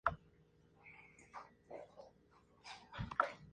Las paredes son de colores claros en diversos tonos.